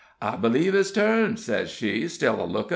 'I b'lieve it's turned,' sez she, still a lookin'.